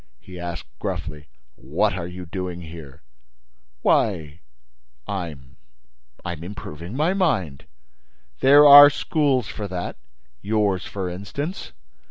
He asked, gruffly: "What are you doing here?" "Why—I'm—I'm improving my mind." "There are schools for that: yours, for instance."